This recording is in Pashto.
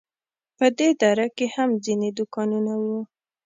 په دې دره کې هم ځینې دوکانونه وو.